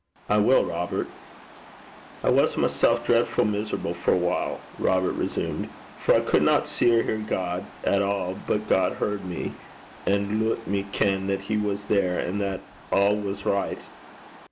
'I will, Robert.' 'I was mysel' dreidfu' miserable for a while,' Robert resumed, 'for I cudna see or hear God at a'; but God heard me, and loot me ken that he was there an' that a' was richt.